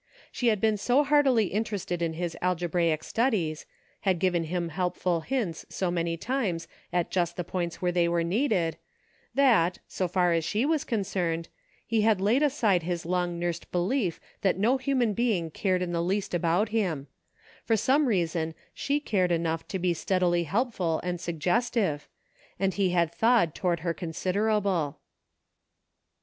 She had been so heartily interested in his algebraic studies, had given him helpful hints so many times at just the points where they were needed, that, so far as she was concerned, he had laid aside his long nursed belief that no human being cared in the least about him ; for some reason she cared enough to be steadily helpful and suggestive, and EXPERIMENTS. 15/ he had thawed toward her considerable.